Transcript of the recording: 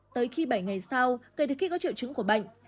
tới khi bảy ngày sau kể từ khi có triệu chứng của bệnh